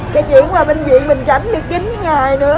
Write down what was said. cái chuyển qua bệnh viện mình tránh được chín ngày nữa